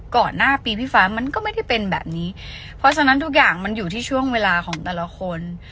ก่อนหน้าปีพี่ฟ้ามันก็ไม่ได้เป็นแบบนี้เพราะฉะนั้นทุกอย่างมันอยู่ที่ช่วงเวลาของแต่ละคน